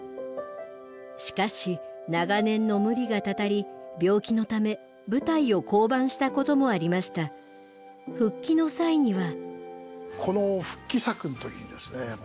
しかし長年の無理がたたり病気のため舞台を降板したこともありました。復帰の際には。